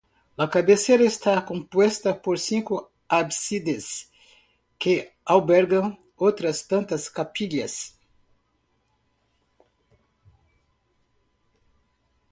La cabecera está compuesta por cinco ábsides que albergan otras tantas capillas.